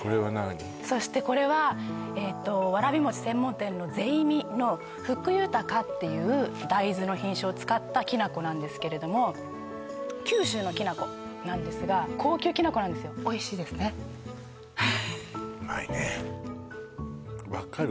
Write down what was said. そしてこれはのふくゆたかっていう大豆の品種を使ったきな粉なんですけれども九州のきな粉なんですが高級きな粉なんですよおいしいですねうまいね分かる？